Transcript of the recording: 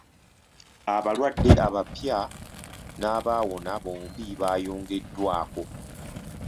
Abalwadde abapya n'abaawona bombi baayogeddwako.